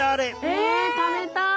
え食べたい！